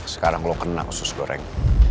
sekarang lo kena sus doreng